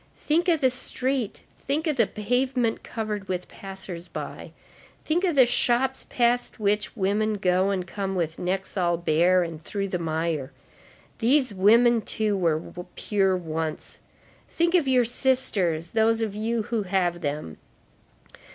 Think of the street, think of the pavement covered with passers by, think of the shops past which women go and come with necks all bare, and through the mire. These women, too, were pure once. Think of your sisters, those of you who have them.